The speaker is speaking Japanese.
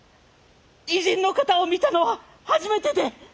異人の方を見たのは初めてで！